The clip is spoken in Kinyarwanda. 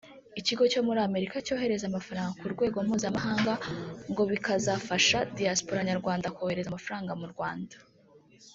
ikigo cyo muri Amerika cyohereza amafaranga ku rwego mpuzamahanga ngo bikazafasha diaspora nyarwanda kohereza amafaranga mu Rwanda